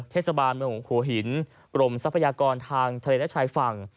เทศบาลเมืองของหัวหินกรมทรัพยากรทางทะเลและชายฝั่ง